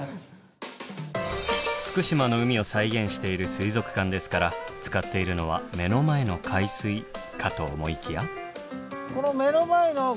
福島の海を再現している水族館ですから使っているのは目の前の海水かと思いきや。